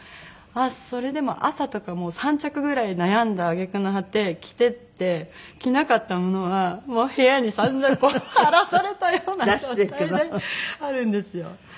それでも朝とかもう３着ぐらい悩んだ揚げ句の果て着てって着なかったものは部屋に散々こう荒らされたような状態であるんですよ。